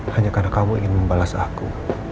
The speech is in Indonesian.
hanya karena kamu ingin membalas aku